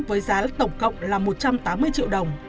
với giá tổng cộng là một trăm tám mươi triệu đồng